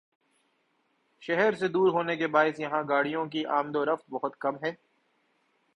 شہر سے دور ہونے کے باعث یہاں گاڑیوں کی آمدورفت بہت کم ہے